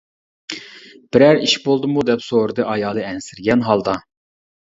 -بىرەر ئىش بولدىمۇ دەپ سورىدى ئايالى ئەنسىرىگەن ھالدا.